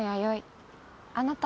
あなたは？